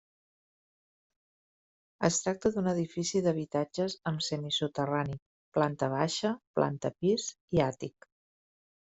Es tracta d'un edifici d'habitatges amb semisoterrani, planta baixa, planta pis i àtic.